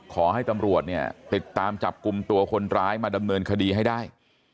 ขอให้ตำรวจเนี่ยติดตามจับกลุ่มตัวคนร้ายมาดำเนินคดีให้ได้